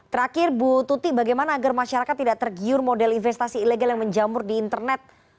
terakhir bu tuti bagaimana agar masyarakat tidak tergiur model investasi ilegal yang menjamur di internet